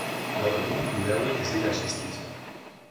Gaur egun, bide hauek ez dira existitzen.